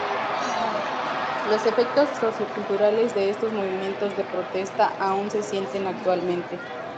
Los efectos socioculturales de estos movimientos de protesta aún se sienten actualmente.